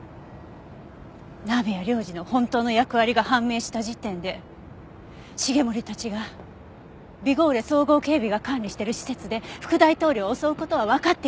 鍋谷亮次の本当の役割が判明した時点で繁森たちがビゴーレ総合警備が管理してる施設で副大統領を襲う事はわかっていたはずです。